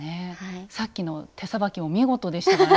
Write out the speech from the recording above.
さっきの手さばきも見事でしたからね。